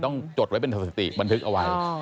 จดไว้เป็นสถิติบันทึกเอาไว้